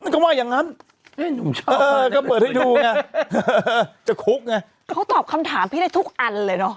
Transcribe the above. ก็ว่าอย่างงั้นเออก็เปิดให้ดูไงจะคุกไงเขาตอบคำถามพี่ได้ทุกอันเลยเนอะ